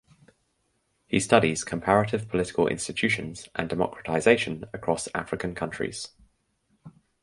He studies comparative political institutions and democratisation across African countries.